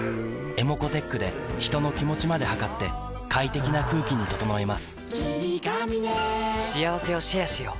ｅｍｏｃｏーｔｅｃｈで人の気持ちまで測って快適な空気に整えます